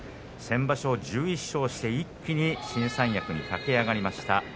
先場所１１勝して一気に新三役に駆け上がりました。